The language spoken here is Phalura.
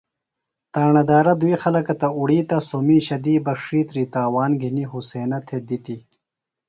تاݨہ دارہ دُوئی خلکہ تہ اُڑیتہ سوۡ مِیشہ دی بہ ڇِھیتری تاوان گِھنیۡ حُسینہ تھےۡ دِتیۡ۔